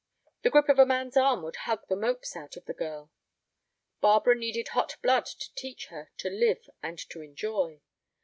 The grip of a man's arm would hug the mopes out of the girl. Barbara needed hot blood to teach her to live and to enjoy.